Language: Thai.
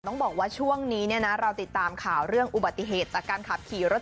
ต้องบอกว่าช่วงนี้เนี่ยนะเราติดตามข่าวเรื่องอุบัติเหตุจากการขับขี่รถ